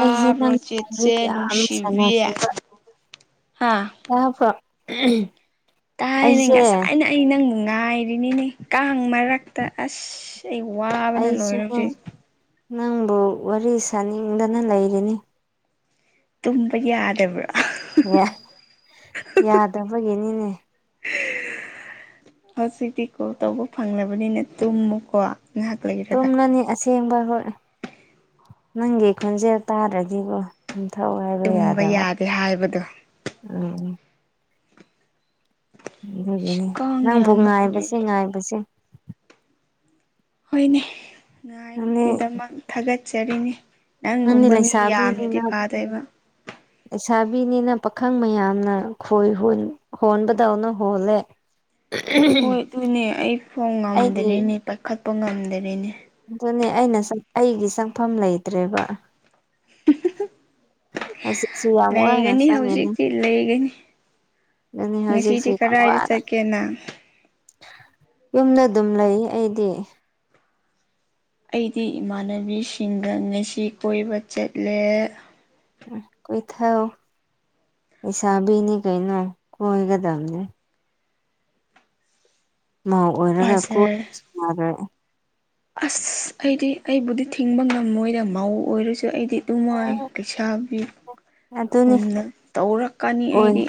ꯑꯩꯁꯦ ꯅꯪ ꯆꯦ ꯂꯥꯏꯔꯤꯛ ꯆꯦ ꯌꯥꯝ ꯅꯨꯡꯁꯤꯕꯤ ꯍꯥ ꯇꯕ꯭ꯔꯣ ꯇꯥꯏꯅꯦ ꯉꯁꯥꯏꯅ ꯑꯩ ꯅꯪꯕꯨ ꯉꯥꯏꯔꯤꯅꯤꯅꯦ ꯀꯥꯡ ꯃꯔꯛ ꯗ ꯑꯁ ꯑꯩ ꯋꯥꯕꯅ ꯑꯩꯁꯨꯀꯣ ꯂꯣꯏꯔꯁꯦ ꯅꯪꯕꯨ ꯋꯥꯔꯤ ꯁꯥꯅꯤꯡꯗꯅ ꯂꯩꯔꯤꯅꯤ ꯇꯨꯝꯕ ꯌꯥꯗꯕ꯭ꯔꯥ ꯌꯥ ꯌꯥꯗꯕꯒꯤꯅꯤꯅꯦ ꯍꯧꯖꯤꯛꯇꯤ ꯀꯣꯜ ꯇꯧꯕ ꯐꯪꯂꯕꯅꯤꯅ ꯇꯨꯝꯃꯨꯀꯣ ꯍꯥꯥꯛ ꯂꯩꯒꯦ ꯇꯨꯝꯅꯅꯤ ꯑꯁꯦꯡꯕ ꯍꯣꯏ ꯅꯪꯒꯤ ꯈꯣꯟꯖꯦꯜ ꯇꯥꯔ꯭ꯔꯗꯤꯕꯣ ꯇꯨꯝꯊꯧ ꯍꯥꯏꯕ ꯇꯨꯝꯕ ꯌꯥꯗꯕ ꯌꯥꯗꯦ ꯍꯥꯏꯕꯗꯣ ꯎꯝ ꯎꯝ ꯑꯗꯨꯒꯤꯅꯦ ꯀꯥꯡ ꯅꯪꯕꯨ ꯌꯥꯝꯕꯅ ꯉꯥꯏꯕꯁꯦ ꯂꯩꯔꯦ ꯉꯥꯏꯕꯁꯦ ꯍꯣꯏꯅꯦ ꯅꯪꯗꯤ ꯉꯥꯏꯕꯒꯤꯗꯃꯛ ꯊꯥꯒꯠꯆꯔꯤꯅꯤ ꯅꯪꯗꯤ ꯅꯪꯒꯨꯝꯕ ꯃꯤ ꯌꯥꯝꯅꯗꯤ ꯂꯩꯁꯥꯕꯤꯅꯤꯅ ꯐꯥꯗꯣꯏꯕ ꯂꯩꯁꯥꯕꯤꯅꯤꯅ ꯄꯥꯈꯪ ꯃꯌꯥꯝꯅ ꯈꯣꯏ ꯍꯨꯟ ꯈꯣꯟꯕꯗꯧꯅ ꯍꯣꯜꯂꯦ ꯍꯣꯏ ꯑꯗꯨꯅꯦ ꯑꯩ ꯐꯣꯟ ꯑꯩꯒꯤ ꯉꯝꯗꯔꯦꯅꯦ ꯄꯥꯏꯈꯠꯄ ꯉꯝꯗꯔꯦꯅꯦ ꯑꯗꯨꯅꯦ ꯑꯩꯅ ꯑꯩꯒꯤ ꯆꯪꯐꯝ ꯂꯩꯇ꯭ꯔꯦꯕ ꯍꯧꯖꯤꯛꯁꯨ ꯌꯥꯝ ꯋꯥꯅ ꯂꯩꯒꯅꯤ ꯆꯪꯉꯤꯅꯤ ꯍꯧꯖꯤꯛꯇꯤ ꯂꯩꯒꯅꯤ ꯑꯗꯨꯅꯤ ꯍꯧꯖꯤꯛꯁꯨ ꯉꯁꯤꯗꯤ ꯌꯥꯝ ꯀꯗꯥꯏꯗ ꯋꯥꯅ ꯆꯠꯀꯦꯅ ꯌꯨꯝꯗ ꯑꯗꯨꯝ ꯂꯩꯌꯦ ꯑꯩꯗꯤ ꯑꯩꯗꯤ ꯏꯃꯥꯟꯅꯕꯤꯁꯤꯡꯗ ꯉꯁꯤ ꯀꯣꯏꯕ ꯆꯠꯂꯦ ꯎ ꯀꯣꯏꯊꯧ ꯂꯩꯁꯥꯕꯤꯅꯤ ꯀꯩꯅꯣ ꯀꯣꯏꯒꯗꯕꯅꯦ ꯃꯧ ꯑꯣꯏꯔꯒ ꯕꯖꯥꯔ ꯀꯣꯏꯕꯁꯨ ꯌꯥꯔꯣꯏ ꯑꯁ ꯑꯩꯗꯤ ꯑꯩꯕꯨꯗꯤ ꯊꯤꯡꯕ ꯉꯝꯃꯣꯏꯗ ꯃꯧ ꯑꯣꯏꯔꯁꯨ ꯑꯩꯗꯤ ꯅꯨꯡꯉꯥꯏ ꯑꯗꯨꯅꯤ ꯂꯩꯩꯁꯥꯕꯤꯒꯨꯝꯅ ꯇꯧꯔꯛꯀꯅꯤ ꯑꯣꯏ ꯑꯩꯗꯤ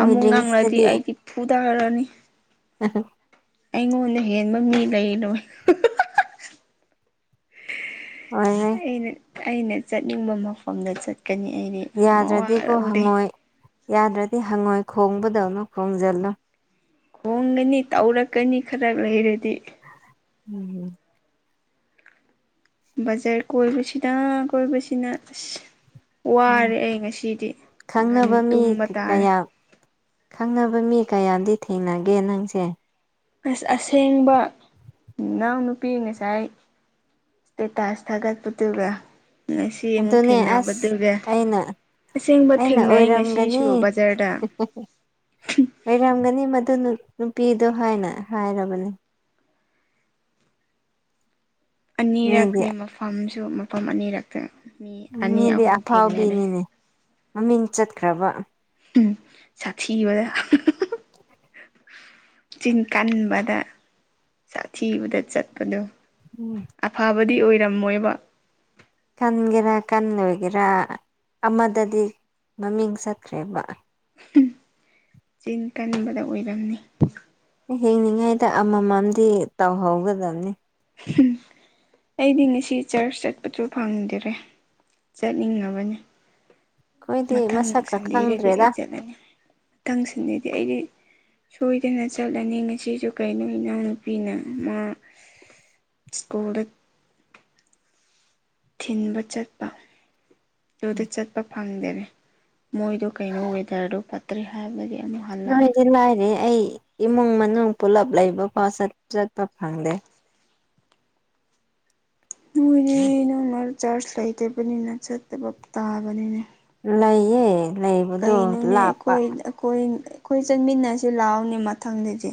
ꯑꯃꯨꯛ ꯉꯪꯂꯗꯤ ꯑꯩꯗꯤ ꯐꯨꯗꯔꯅꯤ ꯑ ꯍ ꯑꯩꯉꯣꯟꯗ ꯍꯦꯟꯕ ꯃꯤ ꯂꯩꯔꯣꯏ ꯑꯣꯏꯔꯣꯏ ꯑꯩꯅ ꯑꯩꯅ ꯆꯠꯅꯤꯡꯕ ꯃꯐꯝꯗ ꯆꯠꯀꯅꯤ ꯑꯩꯗꯤ ꯃꯋꯥ ꯌꯥꯗ꯭ꯔꯗꯤꯀꯣ ꯂꯧꯗꯦ ꯍꯪꯉꯣꯏ ꯌꯥꯗ꯭ꯔꯗꯤ ꯍꯪꯉꯣꯏ ꯈꯣꯡꯕꯗꯧꯅ ꯈꯣꯡꯖꯜꯂꯨ ꯈꯣꯡꯒꯅꯤ ꯇꯧꯔꯛꯀꯅꯤ ꯈꯔ ꯂꯩꯔꯗꯤ ꯎꯝ ꯕꯖꯥꯔ ꯀꯣꯏꯕꯁꯤꯅ ꯀꯣꯏꯕꯁꯤꯅ ꯑꯁ ꯎꯝ ꯋꯥꯔꯦ ꯑꯩ ꯉꯁꯤꯗꯤ ꯈꯪꯅꯕ ꯉꯟꯅꯥ ꯃꯤ ꯇꯨꯝꯕ ꯇꯥꯔꯦ ꯀꯌꯥ ꯈꯪꯅꯕ ꯃꯤ ꯀꯌꯥꯝꯗꯤ ꯊꯦꯡꯅꯒꯦ ꯅꯪꯁꯦ ꯑꯁ ꯑꯁꯦꯡꯕꯅꯥꯎ ꯅꯨꯄꯤ ꯉꯁꯥꯏ ꯏꯁꯇꯦꯇꯁ ꯊꯥꯒꯠꯄꯗꯨꯒ ꯉꯁꯤ ꯑꯃꯨꯛ ꯑꯗꯨꯅꯦ ꯑꯁ ꯊꯦꯡꯅꯕꯗꯨꯒ ꯑꯩꯅ ꯑꯁꯦꯡꯕ ꯑꯩꯅ ꯊꯦꯡꯅꯩ ꯉꯁꯤꯁꯨ ꯕꯖꯥꯔꯗ ꯂꯩꯔꯝꯒꯅꯤ ꯃꯗꯨ ꯅꯨꯄꯤꯗꯣ ꯍꯥꯏꯅ ꯍꯥꯏꯔꯕꯅꯦ ꯃꯤꯗꯤ ꯑꯅꯤꯔꯛꯅꯤ ꯃꯐꯝꯁꯨ ꯃꯐꯝ ꯑꯅꯤꯔꯛꯇ ꯃꯤ ꯑꯅꯤ ꯃꯤꯗꯤ ꯑꯍꯨꯝ ꯊꯦꯡꯅꯔꯦ ꯑꯐꯥꯎꯕꯤꯅꯤꯅꯦ ꯃꯃꯤꯡ ꯆꯠꯈ꯭ꯔꯕ ꯎꯝ ꯁꯥꯊꯤꯕꯗ [inaudible] ꯆꯤꯟ ꯀꯟꯕꯗ ꯁꯥꯊꯤꯕꯗ ꯆꯠꯄꯗꯣ ꯎꯝ ꯑꯐꯕꯗꯤ ꯑꯣꯏꯔꯝꯃꯣꯏꯕ ꯀꯟꯒꯦꯔꯥ ꯀꯟꯂꯣꯏꯒꯦꯔꯥ ꯑꯃꯗꯗꯤ ꯃꯃꯤꯡ ꯆꯠꯈ꯭ꯔꯦꯕ ꯆꯤꯟ ꯀꯟꯕꯗ ꯑꯣꯏꯔꯝꯅꯤ ꯍꯤꯡꯅꯤꯡꯉꯥꯏꯗ ꯑꯃꯃꯝꯗꯤ ꯇꯧꯍꯧꯒꯗꯕꯅꯤ ꯑꯩꯗꯤ ꯉꯁꯤ ꯆꯔꯆ ꯆꯠꯄꯁꯨ ꯐꯪꯗꯔꯦ ꯆꯠꯅꯤꯡꯉꯕꯅꯤ ꯑꯩꯈꯣꯏꯗꯤ ꯃꯊꯪ ꯃꯁꯛꯀ ꯁꯟꯗꯦꯗꯗꯤ ꯈꯪꯗ꯭ꯔꯦꯗ ꯑꯩ ꯆꯠꯂꯅꯤ ꯃꯊꯪ ꯁꯟꯗꯦꯗꯤ ꯑꯩꯗꯤ ꯁꯣꯏꯗꯅ ꯆꯠꯂꯅꯤ ꯉꯁꯤꯁꯨ ꯀꯩꯅꯣ ꯏꯅꯥꯎꯅꯨꯄꯤꯅ ꯃꯥ ꯁ꯭ꯀꯨꯜꯗ ꯊꯤꯟꯕ ꯆꯠꯄ ꯑꯗꯨꯗ ꯆꯠꯄ ꯐꯪꯗꯔꯦ ꯃꯣꯏꯗꯨ ꯀꯩꯅꯣ ꯋꯦꯗꯔꯗꯨ ꯐꯠ ꯇꯔ꯭ꯦ ꯍꯥꯏꯕꯗꯤ ꯑꯃ ꯍꯥꯏ ꯅꯣꯏꯗꯤ ꯂꯥꯏꯔꯦ ꯑꯩ ꯏꯃꯨꯡ ꯃꯅꯨꯡ ꯄꯨꯂꯞ ꯂꯩꯕꯐꯥꯎ ꯆꯠꯄ ꯐꯪꯗꯦ ꯅꯣꯏꯅꯤ ꯅꯣꯡ ꯃꯔꯛ ꯆꯔꯁ ꯂꯩꯇꯕꯅꯤꯅ ꯆꯠꯇꯕ ꯇꯥꯕꯅꯤꯅꯦ ꯂꯩꯌꯦ ꯂꯩꯕꯗꯣ ꯀꯩꯅꯣꯅꯦ ꯂꯥꯞꯄ ꯑꯩꯈꯣꯏ ꯑꯩꯈꯣꯏ ꯑꯩꯈꯣꯏ ꯆꯟꯃꯤꯟꯅꯁꯤ ꯂꯥꯛꯑꯣꯅꯦ ꯃꯊꯪꯗꯗꯤ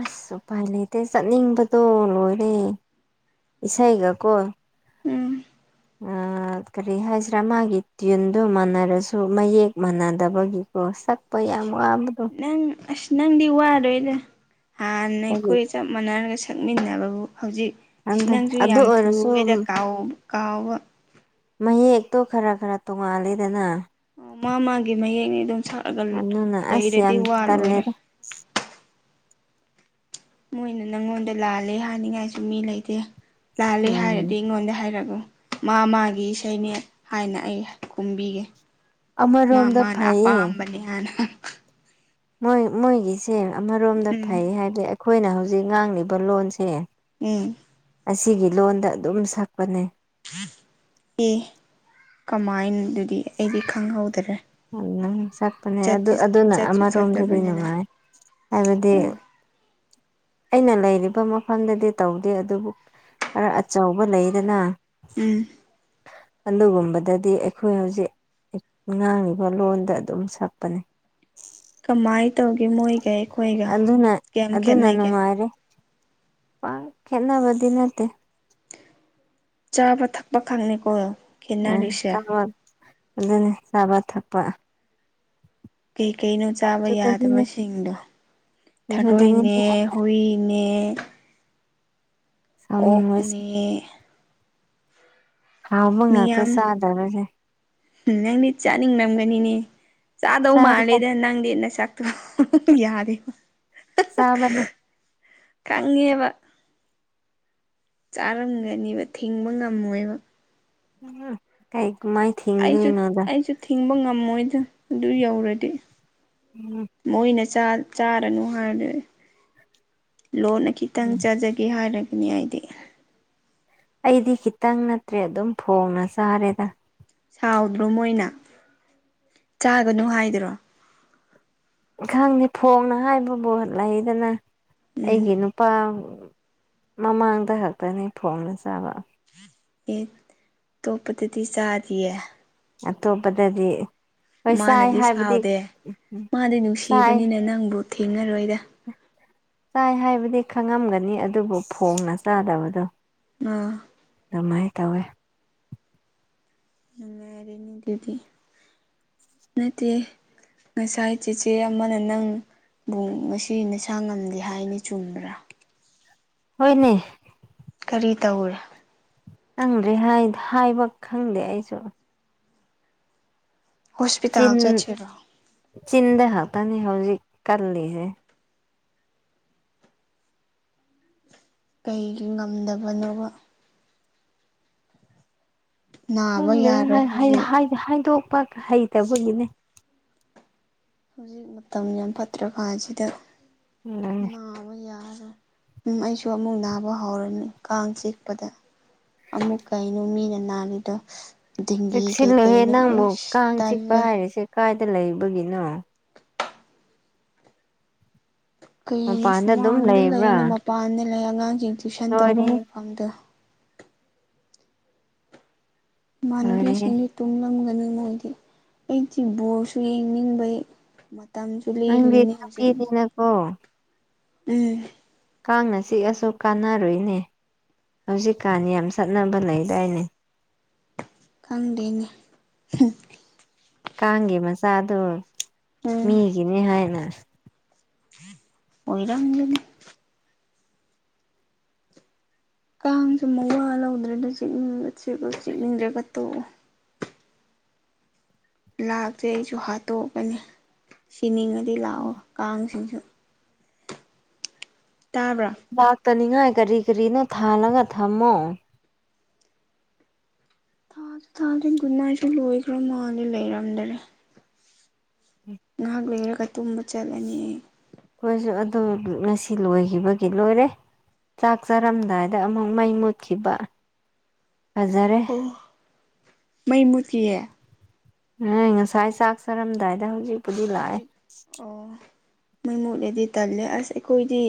ꯑꯁ ꯎꯄꯥꯏ ꯂꯩꯇꯦ ꯆꯠꯅꯤꯡꯕꯗꯣ ꯂꯣꯏꯔꯦ ꯏꯁꯩꯒ ꯀꯣ ꯎꯝ ꯀꯔꯤ ꯍꯥꯏꯁꯤꯔꯥ ꯃꯥꯒꯤ ꯇ꯭ꯋꯨꯟꯗꯨ ꯃꯥꯟꯅꯔꯁꯨ ꯃꯌꯦꯛ ꯃꯥꯟꯅꯗꯕꯒꯤ ꯑꯣ ꯁꯛꯄ ꯌꯥꯝ ꯋꯥꯕꯗ ꯅꯪ ꯑꯁ ꯅꯪꯗꯤ ꯋꯥꯔꯣꯏꯗ ꯍꯥꯟꯅꯩ ꯀꯔꯤ ꯀꯣꯏ ꯆ ꯃꯥꯟꯅꯔꯒ ꯁꯛꯃꯤꯟꯅꯕꯕꯨ ꯍꯧꯖꯤꯛ ꯁꯤ ꯈꯪꯗꯦ ꯅꯪꯁꯨ ꯑꯗꯨ ꯌꯥꯝ ꯑꯣꯏꯔꯁꯨ ꯊꯨꯡꯗ ꯀꯥꯎꯕ ꯀꯥꯎꯕ ꯃꯌꯦꯛꯇꯣ ꯈꯔ ꯈꯔ ꯇꯣꯡꯉꯥꯂꯦꯗꯅ ꯑꯣ ꯃꯥ ꯃꯥꯒꯤ ꯃꯌꯦꯛꯅꯤ ꯑꯗꯨꯝ ꯁꯥꯛꯂꯒ ꯑꯗꯨꯅ ꯑꯁ ꯂꯩꯔꯗꯤ ꯌꯥꯝ ꯋꯥꯂꯣꯏꯔꯦ ꯇꯜꯂꯦꯗ ꯃꯣꯏꯅ ꯅꯪꯉꯣꯟꯗ ꯂꯥꯜꯂꯦ ꯍꯥꯏꯅꯤꯡꯉꯥꯏꯁꯨ ꯃꯤ ꯂꯩꯇꯦ ꯂꯥꯜꯂꯦ ꯎꯝ ꯍꯥꯏꯔꯗꯤ ꯑꯩꯉꯣꯟꯗ ꯍꯥꯏꯔꯒꯣ ꯃꯥ ꯃꯥꯒꯤ ꯏꯁꯩꯅꯦ ꯍꯥꯏꯅ ꯑꯩ ꯀꯨꯝꯕꯤꯒꯦ ꯃꯥ ꯑꯃꯔꯣꯝꯗ ꯃꯥꯅꯦ ꯐꯩꯌꯦ ꯑꯄꯥꯝꯕꯅꯦꯌꯥꯅ ꯃꯣꯏ ꯃꯣꯏꯒꯤꯁꯦ ꯑꯃꯔꯣꯝꯗ ꯎꯝ ꯐꯩ ꯍꯥꯏꯕꯗꯤ ꯑꯩꯈꯣꯏꯅ ꯍꯧꯖꯤꯛ ꯉꯥꯡꯂꯤꯕ ꯂꯣꯟꯁꯦ ꯎꯝ ꯑꯁꯤꯒꯤ ꯂꯣꯟꯗ ꯑꯗꯨꯝ ꯁꯛꯄꯅꯦ ꯑꯦ ꯀꯃꯥꯏꯅ ꯑꯗꯨꯗꯤ ꯑꯩꯗꯤ ꯈꯪꯍꯧꯗꯔꯦ ꯝ ꯁꯛꯄꯅꯦ ꯆꯠꯇꯤ ꯑꯗꯨꯅ ꯆꯠꯁꯨ ꯑꯃꯔꯣꯝꯗꯗꯤ ꯆꯠꯇꯕꯅꯤꯅ ꯅꯨꯡꯉꯥꯏ ꯍꯥꯏꯕꯗꯤ ꯎꯝ ꯑꯩꯅ ꯂꯩꯔꯤꯕ ꯃꯐꯝꯗꯗꯤ ꯇꯧꯗꯦ ꯑꯗꯨꯕꯨ ꯈꯔ ꯑꯆꯧꯕ ꯂꯩꯗꯅ ꯎꯝ ꯑꯗꯨꯒꯨꯝꯕꯗꯗꯤ ꯑꯩꯈꯣꯏ ꯍꯧꯖꯤꯛ ꯉꯥꯡꯉꯤꯕ ꯂꯣꯟꯗ ꯑꯗꯨꯝ ꯁꯛꯄꯅꯦ ꯀꯃꯥꯏ ꯇꯧꯒꯦ ꯃꯣꯏꯒꯩ ꯑꯗꯨꯅ ꯑꯗꯨꯅ ꯅꯨꯡꯉꯥꯏꯔꯦ ꯄꯥꯛ ꯈꯦꯠꯅꯕꯗꯤ ꯅꯠꯇꯦ ꯆꯥꯕ ꯊꯛꯄ ꯈꯪꯅꯤꯀꯣ ꯎꯝ ꯈꯦꯠꯅꯔꯤꯁꯦ ꯆꯥꯕ ꯐꯖꯅꯤ ꯆꯥꯕ ꯊꯛꯄ ꯀꯩꯀꯩꯅꯣ ꯆꯥꯕ ꯑꯗꯨꯗꯒꯤꯅꯤ ꯌꯥꯗꯕꯁꯤꯡꯗꯣ ꯊꯗꯣꯏꯏꯅꯦ ꯑꯗꯨꯗꯒꯤꯅꯤ ꯍꯨꯏꯅꯦ ꯁꯥꯎꯅꯤꯡꯕꯁꯦ ꯑꯣꯛꯅꯤ ꯍꯥꯎ ꯃꯉꯥꯛꯇ ꯃꯤꯌꯥꯝ ꯆꯗꯔꯁꯦ ꯅꯪꯗꯤ ꯆꯥꯅꯤꯡ ꯅꯝꯒꯅꯤꯅꯦ ꯆꯥꯗꯧ ꯆꯥꯏꯗ ꯃꯥꯜꯂꯦꯗꯅ ꯅꯪꯗꯤ ꯅ ꯁꯛ ꯇꯨ ꯌꯥꯗ ꯁꯥꯃꯅꯤ ꯀꯪꯉꯦꯕ ꯆꯥꯔꯝꯒꯅꯦꯕ ꯊꯤꯡꯕ ꯉꯝꯃꯣꯏꯕ ꯎꯝ ꯀꯥꯏ ꯃꯥꯥꯏ ꯑꯩꯁꯨ ꯑꯩꯁꯨ ꯊꯤꯡꯕ ꯉꯝꯃꯣꯏꯗ ꯑꯗꯨ ꯌꯧꯔꯗꯤ ꯎꯝ ꯃꯣꯏꯅ ꯆꯥꯔꯅꯨ ꯍꯥꯏꯔ ꯂꯣꯟꯅ ꯈꯤꯇꯪ ꯆꯥꯖꯒꯦ ꯍꯥꯏꯔꯒꯅꯤ ꯑꯩꯗꯤ ꯑꯩꯗꯤ ꯈꯤꯇꯪ ꯅꯠꯇ꯭ꯔꯦ ꯑꯗꯨꯝ ꯐꯣꯡꯅ ꯆꯥꯔꯦꯗ ꯁꯥꯎꯗ꯭ꯔꯣ ꯃꯣꯏꯅ ꯆꯥꯒꯅꯨ ꯍꯥꯏꯗ꯭ꯔꯣ ꯈꯪꯅꯤꯦ ꯐꯣꯡꯅ ꯍꯥꯏꯕꯕꯨ ꯂꯩꯗꯅ ꯎꯝ ꯑꯩꯒꯤ ꯅꯨ ꯂꯨꯄꯥ ꯃꯃꯥꯡꯗ ꯈꯛꯇꯅꯤ ꯐꯣꯝꯅ ꯆꯥꯕ ꯑꯦ ꯇꯣꯞꯄꯗꯗꯤ ꯆꯥꯗꯌꯦ ꯑꯇꯣꯞꯄꯗꯗꯤ ꯍꯣꯏ ꯆꯥꯏ ꯃꯥꯅꯗꯤ ꯍꯥꯏꯕꯗꯤ ꯁꯥꯎꯗꯦ ꯃꯥꯗꯤ ꯆꯥꯏ ꯅꯨꯡꯁꯤꯕꯅꯤꯅ ꯅꯪꯕꯨ ꯊꯦꯡꯅꯔꯣꯏꯗ ꯆꯥꯏ ꯍꯥꯏꯕꯗꯤ ꯈꯪꯉꯝꯒꯅꯤ ꯑꯗꯨꯕꯨ ꯐꯣꯡꯅ ꯆꯥꯗꯕꯗꯣ ꯑ ꯑꯗꯨꯃꯥꯏꯅ ꯇꯧꯋꯦ ꯑꯔꯅꯤ ꯗꯤꯗꯤ ꯅꯠꯇ ꯉꯁꯥꯏ ꯆꯤꯆꯦ ꯑꯃꯅ ꯅꯪ ꯕꯨꯡ ꯉꯁꯤ ꯅꯁꯥ ꯉꯝꯗꯦ ꯍꯥꯏꯅ ꯆꯨꯝꯕ꯭ꯔꯥ ꯍꯣꯏꯅꯦ ꯀꯔꯤ ꯇꯧꯔꯦ ꯅꯪꯗ꯭ꯔꯦ ꯍꯥꯏꯕ ꯈꯪꯗꯦ ꯑꯩꯁꯨ ꯍꯣꯁꯄꯤꯇꯥꯜ ꯆꯤꯟ ꯆ ꯁꯤꯔꯣ ꯆꯤꯟꯗ ꯍꯥꯇꯥꯅꯤ ꯍꯧꯖꯤꯛ ꯀꯜꯂꯤꯁꯦ ꯀꯩꯒꯤ ꯉꯝꯗꯕꯅꯣꯕ ꯅꯥꯕ ꯌꯥꯔꯣꯏ ꯍꯧꯖꯤꯛ ꯈꯪꯗꯦꯗꯤ ꯍꯥꯏꯗꯣꯛꯄ ꯍꯩꯇꯕꯒꯤꯅꯦ ꯍꯧꯖꯤꯛ ꯃꯇꯝ ꯌꯥꯝ ꯐꯠꯇ꯭ꯔꯀꯥꯁꯤꯗ ꯅꯥ [unintelligible] ꯎꯝ ꯑꯩꯁꯨ ꯑꯃꯨꯛ ꯅꯥꯕ ꯍꯧꯔꯅꯤ ꯀꯥꯡ ꯆꯤꯛꯄꯗ ꯑꯃꯨꯛ ꯀꯩꯅꯣ ꯃꯤꯅ ꯅꯥꯔꯤꯗꯣ ꯗꯦꯡꯒꯤ ꯀꯩ ꯆꯤꯛꯁꯤꯜꯂꯨꯍ‌ꯦ ꯀꯩꯅꯣ ꯅꯪꯕꯨ ꯑꯁ ꯀꯥꯡ ꯆꯤꯛꯄ ꯇꯜꯂꯦ ꯍꯥꯏꯔꯤꯁꯦ ꯀꯥꯏꯗ ꯂꯩꯕꯒꯤꯅꯣ ꯀꯩꯅꯣ ꯃꯄꯥꯟꯗ ꯑꯗꯨꯝ ꯁꯨꯃꯥꯡꯗ ꯂꯩꯕ꯭ꯔꯥ ꯂꯩꯅ ꯃꯄꯥꯟꯗ ꯂꯩ ꯑꯉꯥꯡꯁꯤꯡ ꯇꯨꯏꯁꯟ ꯇꯧꯕ ꯂꯣꯏꯔꯦꯍꯦ ꯃꯐꯝꯗꯣ ꯃꯥꯟꯕꯤ ꯂꯣꯏꯔꯦꯍꯦ ꯁꯃꯤ ꯇꯨꯡꯂꯝꯒꯅꯤ ꯃꯣꯏꯗꯤ ꯑꯩꯗꯤ ꯕꯣꯜꯁꯨ ꯌꯦꯡꯅꯤꯡꯕꯩ ꯇꯝꯆꯨꯂꯤ ꯂꯤꯅꯤ ꯍꯧꯖꯤꯦ ꯑꯣ ꯎꯝ ꯀꯥꯡꯅ ꯆꯤꯛꯑꯁꯨ ꯀꯥꯟꯅꯔꯨꯏꯅꯦ ꯍꯧꯖꯤꯛꯀꯥꯟꯅꯤ ꯌꯥꯝ ꯆꯠꯅꯕ ꯂꯩꯗꯥꯏꯅꯦ ꯈꯪꯗꯦꯅꯤ ꯀꯥꯡꯒꯤ ꯃꯆꯥꯗꯨ ꯎꯝ ꯃꯤꯒꯤꯅꯤ ꯍꯥꯏꯅ ꯑꯣꯏ ꯂꯒꯅꯤ ꯀꯥꯡꯁꯨ ꯃꯧꯋꯥ ꯂꯧꯗ꯭ꯔꯦꯗ ꯆꯤꯛꯅꯤꯡꯉꯒ ꯆꯤꯛꯑꫭ ꯆꯤꯛꯅꯤꯡꯗ꯭ꯔꯒ ꯇꯣꯛꯑꯣ ꯂꯥꯛꯇ꯭ꯔ‌ꯦ ꯑꯩꯁꯨ ꯍꯥꯠꯇꯣꯛꯀꯅꯤ ꯁꯤꯅꯤꯡꯉꯗꯤ ꯂꯥꯛꯑꯣ ꯀꯥꯡꯁꯤꯡꯁꯨ ꯇꯥꯕ꯭ꯔꯥ ꯂꯥꯛꯇꯅꯤꯉꯥꯏ ꯀꯔꯤ ꯀꯔꯤꯅꯣ ꯊꯥꯜꯂꯒ ꯊꯝꯃꯣ ꯊꯥ ꯊꯥꯗꯦ ꯒꯨꯗ ꯅꯥꯏꯠꯁꯨ ꯂꯣꯏꯈ꯭ꯔ ꯃꯥꯜꯜꯂꯤꯦ ꯂꯩꯔꯝꯗꯔꯦ ꯉꯥꯏꯍꯥꯛ ꯂꯩꯔꯒ ꯇꯨꯝꯕ ꯆꯠꯂꯅꯤ ꯑꯩꯈꯣꯏꯁꯨ ꯑꯗꯨ ꯉꯁꯤ ꯂꯣꯏꯈꯤꯕꯒꯤ ꯂꯣꯏꯔꯦ ꯆꯥꯛ ꯆꯥꯔꯝꯗꯥꯏꯗ ꯑꯃꯨꯛ ꯃꯩ ꯃꯨꯠꯈꯤꯕ ꯐꯖꯔꯦ ꯃꯩ ꯃꯨꯀꯤꯌꯦ ꯍ ꯉꯁꯥꯏ ꯆꯥꯛ ꯆꯥꯔꯝꯗꯥꯏꯗ ꯍꯧꯖꯤꯛ ꯍꯧꯖꯤꯛ ꯃꯩ ꯃꯣꯠꯂꯗꯤ ꯇꯜꯂꯦ ꯑꯁ ꯑꯩꯈꯣꯏꯗꯤ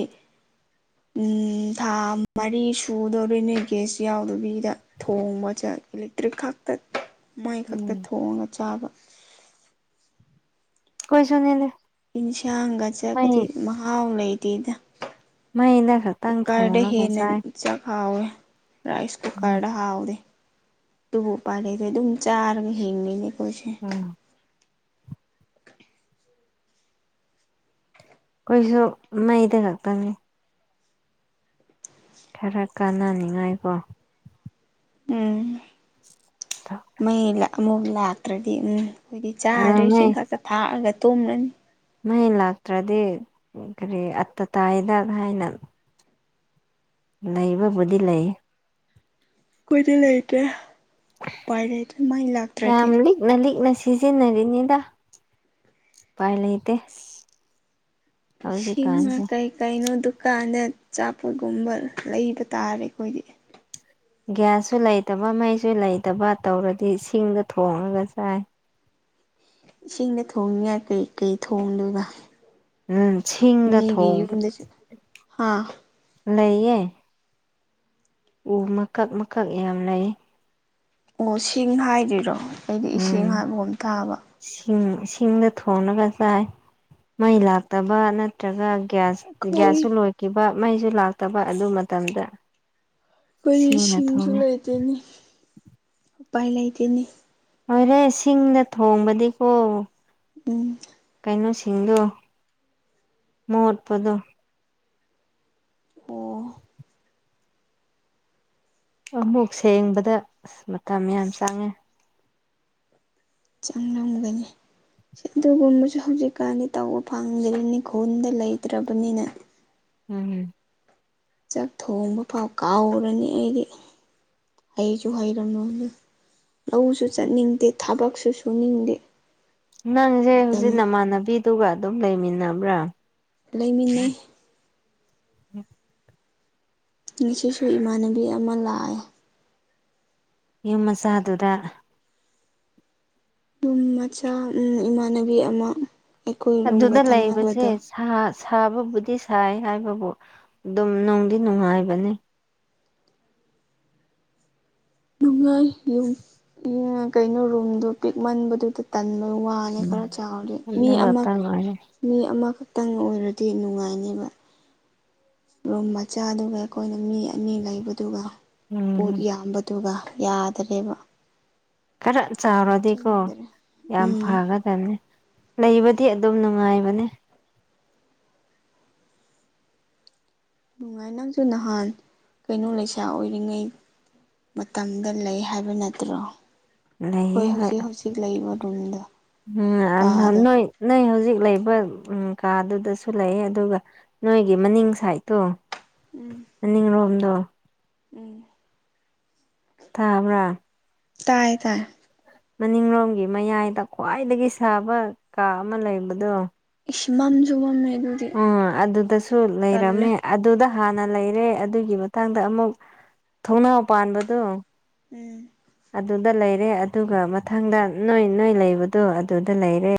[inaudible] ꯊꯥ ꯃꯔꯤ ꯁꯨꯗꯧꯔꯤ ꯅꯣꯏ ꯒꯦꯁ ꯌꯥꯎꯗꯕꯤꯗ ꯊꯣꯡꯕ ꯆꯠ ꯇ꯭ꯔꯤꯛꯈꯥꯛꯇ ꯃꯣꯏ ꯈꯛꯇ ꯎꯝ ꯊꯣꯡꯉꯒ ꯆꯥꯕ ꯀꯣꯏꯁꯨꯅꯅꯦꯦ ꯏꯟꯁꯥꯡꯒ ꯆꯠꯄꯗꯤ ꯃꯍꯥꯎ ꯂꯩꯇꯦꯗ ꯃꯩꯅ ꯈꯛꯇꯪ ꯀꯨꯀꯔꯗ ꯊꯣꯡꯉꯒ ꯍꯦꯟꯅ ꯆꯥꯏ ꯆꯥꯛ ꯍꯥꯎꯑꯦ ꯔꯥꯏꯁ ꯎꯝ ꯀꯨꯀꯔꯗ ꯍꯥꯎꯗꯦ ꯇꯨꯕꯨ ꯎꯄꯥꯏ ꯂꯩꯇꯦ ꯑꯗꯨꯝ ꯆꯥꯔꯒ ꯍꯤꯡꯉꯤꯅꯦ ꯀꯣꯁꯦ [unintelligible] ꯈꯣꯏꯁꯨ ꯃꯩꯗ ꯈꯛꯇꯪꯅꯤ ꯈꯔ ꯀꯥꯟꯅꯅꯤꯉꯥꯏꯀꯣ ꯎꯝ ꯃꯩ ꯂꯛ ꯑꯃꯨꯛ ꯂꯥꯛꯇ꯭ꯔꯗꯤ ꯎꯝ ꯑꯩꯈꯣꯏꯗꯤ ꯆꯥꯗ꯭ꯔꯦ ꯃꯩ ꯏꯁꯤꯡ ꯈꯛꯇ ꯊꯥꯛꯑꯒ ꯇꯨꯝꯂꯅꯤ ꯃꯩ ꯂꯥꯛꯇ꯭ꯔꯗꯤ ꯀꯔꯤ ꯑꯠꯇ ꯇꯥꯏꯗ ꯍꯥꯏꯅ ꯅꯩꯕꯕꯨꯗꯤ ꯂꯩ ꯀꯣꯏꯗꯤ ꯂꯩꯇ꯭ꯔꯦ ꯄꯥꯏ ꯂꯩꯇ꯭ꯔꯦ ꯃꯥꯏ ꯂꯥꯛꯇ꯭ꯔꯗꯤ ꯅ ꯂꯤꯛꯅ ꯁꯤꯖꯤꯟꯅꯔꯤꯅꯤꯗ ꯎꯄꯥꯏ ꯂꯩꯇꯦ ꯏꯁꯤꯡꯅ ꯍꯧꯖꯤꯛꯀꯥꯟꯁꯦ ꯀꯥꯏ ꯀꯩꯅꯣ ꯗꯨꯀꯥꯟꯗ ꯆꯥꯄꯣꯠꯀꯨꯝꯕ ꯂꯩꯕ ꯇꯥꯔꯦ ꯑꯩꯈꯣꯏꯗꯤ ꯒ꯭ꯌꯥꯁꯁꯨ ꯂꯩꯇꯕ ꯃꯩꯁꯨ ꯂꯩꯇꯕ ꯇꯧꯔꯗꯤ ꯁꯤꯡꯗ ꯊꯣꯡꯉꯒ ꯆꯥꯏ ꯏꯁꯤꯡꯗ ꯊꯣꯡꯉꯥꯏ ꯀꯔꯤ ꯀꯩ ꯊꯣꯡꯗꯨꯢꯕ ꯎꯝ ꯁꯤꯡꯗ ꯊꯣꯡꯕ ꯌꯨꯝꯗꯁꯨ ꯍꯥ ꯂꯩꯌꯦ ꯎ ꯃꯀꯛ ꯃꯀꯛ ꯌꯥꯝ ꯂꯩ ꯑꯣ ꯁꯤꯡ ꯍꯥꯏꯗꯣꯏꯔꯣ ꯑꯩꯗꯤ ꯎꯝ ꯏꯁꯤꯡ ꯍꯥꯏꯕꯒꯨꯝ ꯇꯥꯕ ꯁꯤꯡ ꯁꯤꯡꯗ ꯊꯣꯡꯉꯒ ꯆꯥꯏ ꯃꯩ ꯂꯥꯛꯇꯕ ꯅ ꯇ꯭ꯔꯒ ꯒ꯭ꯌꯥꯁ ꯑꯩꯈꯣꯏ ꯒ꯭ꯌꯥꯁꯁꯨ ꯂꯣꯏꯈꯤꯕ ꯃꯩꯁꯨ ꯂꯥꯛꯇꯕ ꯑꯗꯨ ꯃꯇꯝꯗ ꯈꯣꯏꯗꯤ ꯁꯤꯡꯅ ꯁꯤꯡꯖꯨ ꯊꯣꯡꯉꯦ ꯂꯩꯇꯦꯅꯦ ꯎꯄꯥꯏ ꯂꯩꯇꯦꯅꯦ ꯍꯣꯏꯔꯦ ꯁꯤꯡꯗ ꯊꯣꯡꯕꯗꯤꯀꯣ ꯎꯝ ꯀꯩꯅꯣꯁꯤꯡꯗꯣ ꯃꯣꯠꯄꯗꯣ ꯑꯣ ꯑꯃꯨꯛ ꯁꯦꯡꯕꯗ ꯑꯁ ꯃꯇꯝ ꯌꯥꯝ ꯆꯪꯉꯦ ꯆꯪꯂꯝꯒꯅꯤ ꯑꯗꯨꯒꯨꯝꯕꯁꯨ ꯍꯧꯖꯤꯛꯀꯥꯟꯗꯤ ꯇꯧꯕ ꯐꯪꯗ꯭ꯔꯤꯅꯤ ꯈꯨꯨꯟꯗ ꯂꯩꯇ꯭ꯔꯕꯅꯤꯅ ꯉꯥꯅꯤ ꯆꯥꯛ ꯊꯣꯡꯕ ꯐꯥꯎ ꯀꯥꯎꯔꯅꯤ ꯑꯩꯗꯤ ꯍꯩꯁꯨ ꯍꯩꯔꯝꯂꯣꯏꯅꯤ ꯂꯧꯁꯨ ꯆꯠꯅꯤꯡꯗꯦ ꯊꯕꯛꯁꯨ ꯁꯨꯅꯤꯡꯗꯦ ꯅꯪꯖꯦ ꯃꯇꯝ ꯍꯧꯖꯤꯛ ꯅꯃꯥꯟꯅꯕꯤꯗꯨꯒ ꯑꯗꯨꯝ ꯂꯩꯃꯤꯟꯅꯕ꯭ꯔꯥ ꯂꯩꯃꯤꯟꯅꯩ [unintelligible] ꯉꯁꯤꯁꯨ ꯏꯃꯥꯟꯅꯕꯤ ꯑꯃ ꯂꯥꯛꯑꯦ ꯌꯨꯝ ꯃꯆꯥꯗꯨꯗ ꯔꯨꯝ ꯃꯆꯥ ꯎꯝ ꯏꯃꯥꯟꯅꯕꯤ ꯑꯃ ꯑꯩꯈꯣꯏ ꯔꯨꯝꯒ ꯑꯗꯨꯗ ꯊꯪꯅꯕꯗꯣ ꯂꯩꯕꯁꯦ ꯁꯥ ꯁꯥ ꯕꯕꯨꯗꯤ ꯁꯥꯏ ꯍꯥꯏꯕꯕꯨ ꯑꯗꯨꯝ ꯅꯨꯡꯗꯤ ꯅꯨꯡꯉꯥꯏꯕꯅꯤ ꯅꯨꯡꯉꯥꯏ ꯌꯨꯝ ꯎꯝ ꯀꯩꯅꯣ ꯔꯨꯝꯗꯣ ꯄꯤꯛꯃꯟꯕꯗꯨꯗ ꯇꯟꯕ ꯋꯥꯅꯤ ꯎꯝ ꯈꯔ ꯆꯥꯎꯔꯗꯤ ꯃꯤ ꯑꯗꯨ ꯑꯃ ꯈꯛꯇꯪ ꯑꯣꯏꯔꯦ ꯃꯤ ꯑꯃꯈꯛꯇꯪ ꯑꯣꯏꯔꯗꯤ ꯅꯨꯡꯉꯥꯏꯅꯦꯕ ꯔꯨꯝ ꯃꯆꯥꯗꯨꯒ ꯑꯩꯈꯣꯏꯅ ꯃꯤ ꯑꯅꯤ ꯂꯩꯕꯗꯨꯒ ꯎꯝ ꯄꯣꯠ ꯌꯥꯝꯕ ꯗꯨꯒ ꯌꯥꯗꯔꯦꯕ ꯈꯔꯥ ꯆꯥꯎꯔꯗꯤꯀꯣ ꯆꯟꯗ꯭ꯔꯦ ꯌꯥꯝ ꯎꯝ ꯐꯒ ꯗꯝꯅꯤ ꯂꯩꯕꯗꯤ ꯑꯗꯨꯝ ꯅꯨꯡꯉꯥꯏꯕꯅꯦ ꯅꯨꯡꯉꯥꯏ ꯅꯪꯁꯨ ꯅꯍꯥꯟ ꯀꯩꯅꯣ ꯂꯩꯁꯥ ꯑꯣꯏꯔꯤꯉꯩ ꯃꯇꯝꯗ ꯂꯩ ꯍꯥꯏꯕ ꯅꯠꯇ꯭ꯔꯣ ꯂꯩꯌꯦ ꯑꯩꯈꯣꯏ ꯍꯣꯏ ꯍꯧꯖꯤꯛ ꯍꯧꯖꯤꯛ ꯂꯩꯕ ꯔꯨꯝꯗꯣ ꯀꯥꯗꯣ [unintelligible] ꯅꯣꯏ ꯅꯣꯏ ꯍꯧꯖꯤꯛ ꯂꯩꯕ ꯎꯝ ꯀꯥ ꯑꯗꯨꯗꯁꯨ ꯂꯩ ꯑꯗꯨꯒ ꯅꯣꯏꯒꯤ ꯃꯅꯤꯡ ꯁꯥꯏꯠꯇꯣ ꯎꯝ ꯃꯅꯤꯡꯂꯣꯝꯗꯣ ꯎꯝ ꯊꯥꯕ꯭ꯔꯥ ꯇꯥꯏꯌꯦ ꯇꯥꯏ ꯃꯅꯤꯡꯂꯣꯝꯒꯤ ꯃꯌꯥꯏꯗ ꯈ꯭ꯋꯥꯏꯗꯒꯤ ꯁꯥꯕ ꯀꯥ ꯑꯃ ꯂꯩꯕꯗꯣ ꯏꯁ ꯃꯝꯁꯨ ꯃꯝꯃꯦ ꯑꯗꯨ ꯎꯝ ꯑꯗꯨꯗꯁꯨ ꯂꯩꯔꯝꯃꯦ ꯑꯗꯨꯗ ꯍꯥꯟꯅ ꯂꯩꯔꯦ ꯑꯗꯨꯒꯤ ꯃꯇꯥꯡꯗ ꯑꯃꯨꯛ ꯊꯣꯡꯅꯥꯎ ꯄꯥꯟꯕꯗꯨꯣ ꯎꯝ ꯑꯗꯨꯗ ꯂꯩꯔꯦ ꯑꯗꯨꯒ ꯃꯊꯪꯗ ꯅꯣꯏ ꯅꯣꯏ ꯂꯩꯕꯗꯣ ꯑꯗꯨꯗ ꯂꯩꯔꯦ